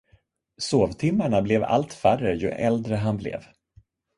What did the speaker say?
Sovtimmarna blev allt färre ju äldre han blev.